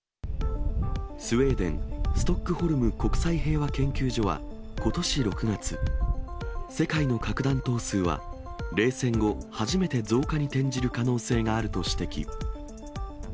スウェーデン・ストックホルム国際平和研究所はことし６月、世界の核弾頭数は冷戦後、初めて増加に転じる可能性があると指摘。